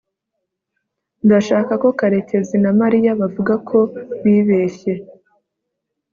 ndashaka ko karekezi na mariya bavuga ko bibeshye